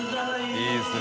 いいですね。）